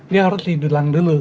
dia harus di dulang dulu